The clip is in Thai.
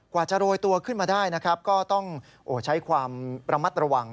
กว่าจะโรยตัวขึ้นมาได้นะครับก็ต้องใช้ความระมัดระวัง